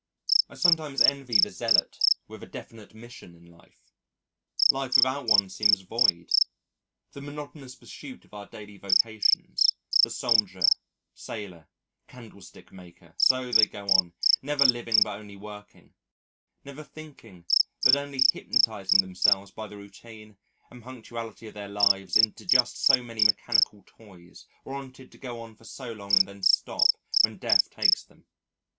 I sometimes envy the zealot with a definite mission in life. Life without one seems void. The monotonous pursuit of our daily vocations the soldier, sailor, candlestick maker so they go on, never living but only working, never thinking but only hypnotising themselves by the routine and punctuality of their lives into just so many mechanical toys warranted to go for so long and then stop when Death takes them....